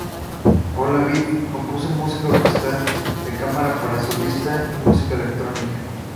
Olavide compuso música orquestal, de cámara, para solista, y música electrónica.